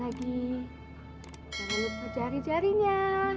jangan lupa jari jarinya